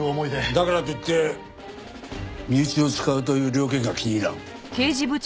だからといって身内を使うという了見が気に入らん。